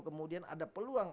kemudian ada peluang